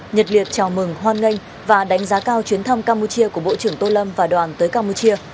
nhật liệt chào mừng hoan nghênh và đánh giá cao chuyến thăm campuchia của bộ trưởng tô lâm và đoàn tới campuchia